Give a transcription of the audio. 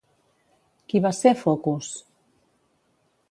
Qui va ser Focos?